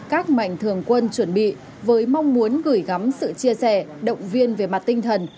các mạnh thường quân chuẩn bị với mong muốn gửi gắm sự chia sẻ động viên về mặt tinh thần